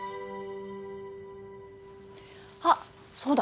あっそうだ！